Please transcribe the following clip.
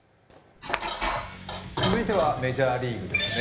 続いてはメジャーリーグですね。